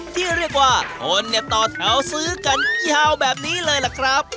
ที่เรียกว่าคนเนี่ยต่อแถวซื้อกันยาวแบบนี้เลยล่ะครับ